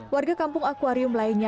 warga kampung akwarium lainnya